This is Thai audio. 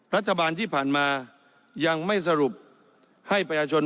รัฐบาลที่ผ่านมายังไม่สรุปให้ประชาชน